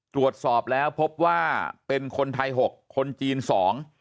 ตรวจสอบแล้วพบว่าเป็นคนไทยหกคนจีนสอง